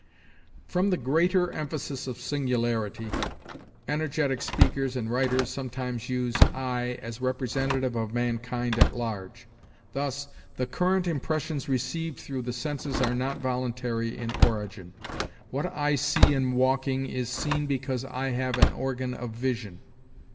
"From the greater emphasis of singularity, energetic speakers and writers sometimes use 'I' as representative of mankind at large. Thus: 'The current impressions received through the senses are not voluntary in origin. What I see in walking is seen because I have an organ of vision.'